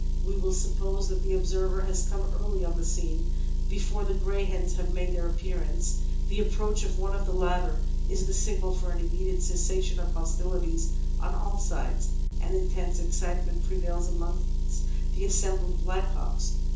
"We will suppose that the observer has come early on the scene, before the greyhens have made their appearance. The ap proach of one of the latter is the signal for an immediate cessation of hostilities on all sides, and intense excitement prevails amongst the assembled blackcocks.